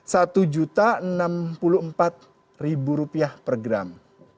satu enam puluh empat rupiah per gram